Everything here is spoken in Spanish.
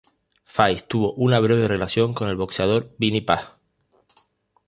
Faith tuvo una breve relación con el boxeador Vinny Paz.